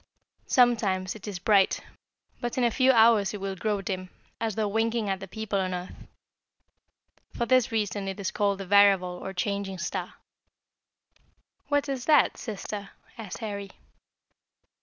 Sometimes it is bright, but in a few hours it will grow dim, as though winking at the people on earth. For this reason it is called a variable or changing star." [Illustration: PERSEUS.] "What is that, sister?" asked Harry.